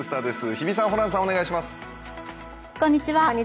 日比さん、ホランさん、お願いします。